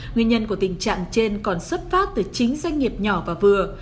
nguyên nhân của tình trạng trên còn xuất phát từ chính doanh nghiệp nhỏ và vừa